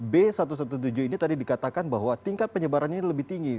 b satu ratus tujuh belas ini tadi dikatakan bahwa tingkat penyebarannya lebih tinggi